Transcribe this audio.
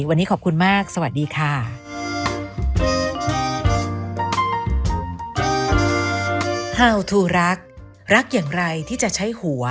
วันนี้ขอบคุณมากสวัสดีค่ะ